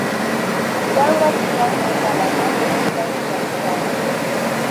cyangwa kibahungabanya muri rusange cyane cyane